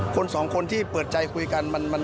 คนสองคนที่เปิดใจคุยกัน